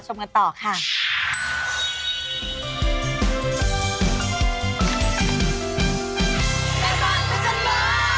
ช่วงหน้ากลับมาชมกันต่อค่ะ